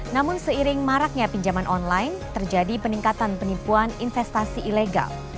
namun seiring maraknya pinjaman online terjadi peningkatan penipuan investasi ilegal